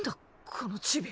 このチビ。